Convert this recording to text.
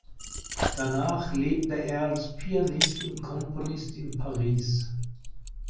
Danach lebte er als Pianist und Komponist in Paris.